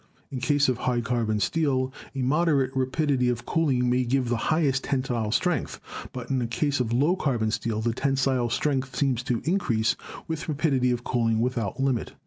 In case of high carbon steel a'moderate rapidity of cooling may give the highest tensile strength, but in case of low carbon steel the tensile strength seems to increase with rapidity of cooling without limit.